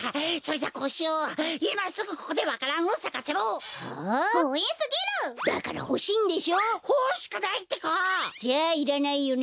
じゃあいらないよね。